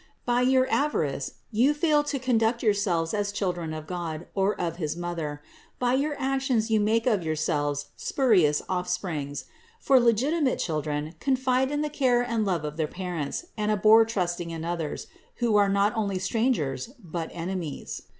By your avarice you fail to conduct yourselves as children of God or of his Mother; by your actions you make of yourselves spurious off springs; for legitimate children confide in the care and love of their parents, and abhor trusting in others, who are not only strangers but enemies.